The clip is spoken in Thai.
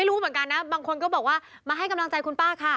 รู้เหมือนกันนะบางคนก็บอกว่ามาให้กำลังใจคุณป้าค่ะ